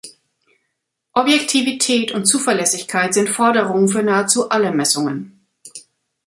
Objektivität und Zuverlässigkeit sind Forderungen für nahezu alle Messungen.